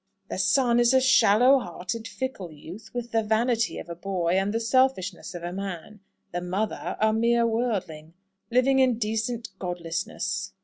"The son is a shallow hearted, fickle youth, with the vanity of a boy and the selfishness of a man; the mother, a mere worldling, living in decent godlessness."